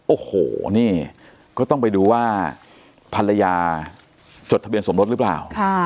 โอ้โหนี่ก็ต้องไปดูว่าภรรยาจดทะเบียนสมรสหรือเปล่า